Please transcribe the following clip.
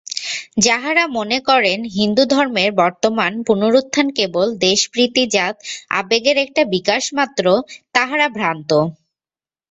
যাঁহারা মনে করেন হিন্দুধর্মের বর্তমান পুনরুত্থান কেবল দেশপ্রীতিজাত আবেগের একটি বিকাশমাত্র, তাঁহারা ভ্রান্ত।